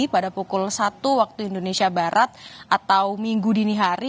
pada pukul satu waktu indonesia barat atau minggu dini hari